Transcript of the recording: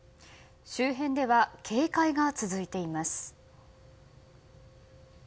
周辺では警戒が続いています。